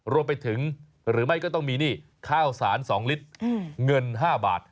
รวมไปถึงหรือไม่ก็ต้องมีนี่ข้าวสาร๒ลิตรเงิน๕บาท